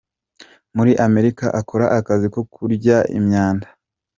Muri Amerika akora akazi ko kuyora imyanda.